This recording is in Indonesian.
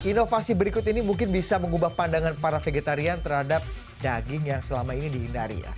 inovasi berikut ini mungkin bisa mengubah pandangan para vegetarian terhadap daging yang selama ini dihindari ya